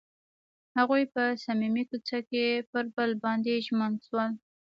هغوی په صمیمي کوڅه کې پر بل باندې ژمن شول.